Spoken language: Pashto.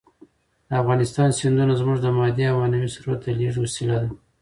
د افغانستان سیندونه زموږ د مادي او معنوي ثروت د لېږد وسیله ده.